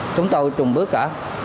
chúng tôi trùng bước cả